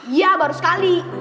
iya baru sekali